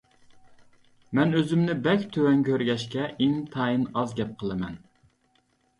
مەن ئۆزۈمنى بەك تۆۋەن كۆرگەچكە، ئىنتايىن ئاز گەپ قىلىمەن.